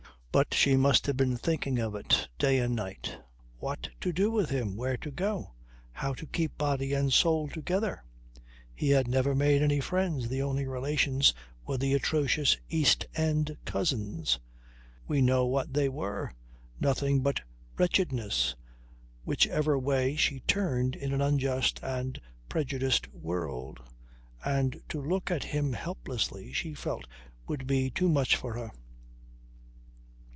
But she must have been thinking of it day and night. What to do with him? Where to go? How to keep body and soul together? He had never made any friends. The only relations were the atrocious East end cousins. We know what they were. Nothing but wretchedness, whichever way she turned in an unjust and prejudiced world. And to look at him helplessly she felt would be too much for her.